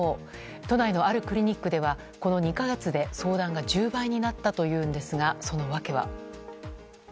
都内のあるクリニックではこの２か月で相談が１０倍になったというんですが、その訳は。